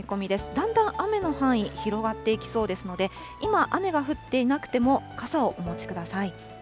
だんだん雨の範囲、広がっていきそうですので、今、雨が降っていなくても、傘をお持ちください。